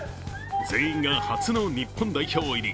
全員が初の日本代表入り。